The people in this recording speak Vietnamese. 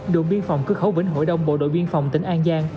đội biên phòng cước khấu vĩnh hội đông bộ đội biên phòng tỉnh an giang